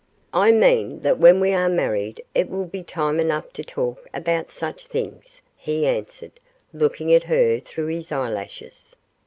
'I mean that when we are married it will be time enough to talk about such things,' he answered, looking at her through his eyelashes.